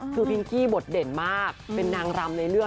คือพิงกี้บทเด่นมากเป็นนางรำในเลือด